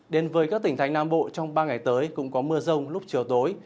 đến với các tỉnh thành nam bộ trong ba ngày tới cũng có mưa rông lúc chiều tối